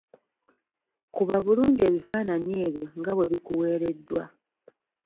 Kuba bulungi ebifaananyi ebyo nga bwe bikuweereddwa.